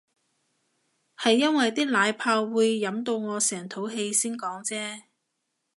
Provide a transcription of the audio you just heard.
係因為啲奶泡會飲到我成肚氣先講啫